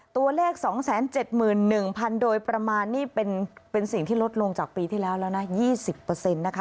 ตัวเลข๒๗๑๐๐๐โดยประมาณนี่เป็นสิ่งที่ลดลงจากปีที่แล้วแล้วนะ๒๐นะคะ